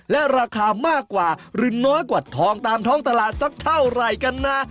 และราคามากกว่าหรือน้อยกว่าทองตามท้องตลาดสักเท่าไหร่กันนะ